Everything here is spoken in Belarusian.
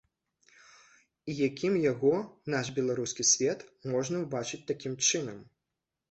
І якім яго, наш беларускі свет, можна ўбачыць такім чынам?